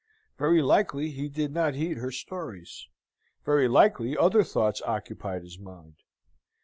Very likely he did not heed her stories. Very likely other thoughts occupied his mind.